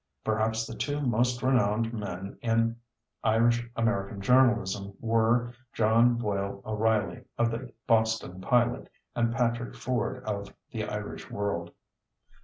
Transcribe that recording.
Perhaps the two most renowned men in Irish American journalism were John Boyle O'Reilly of the Boston Pilot and Patrick Ford of the Irish World.